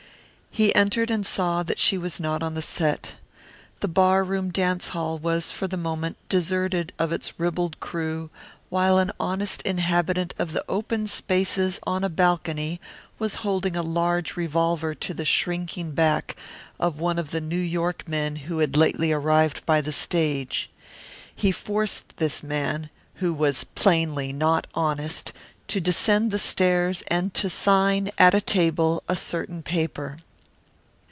He entered and saw that she was not on the set. The bar room dance hall was for the moment deserted of its ribald crew while an honest inhabitant of the open spaces on a balcony was holding a large revolver to the shrinking back of one of the New York men who had lately arrived by the stage. He forced this man, who was plainly not honest, to descend the stairs and to sign, at a table, a certain paper.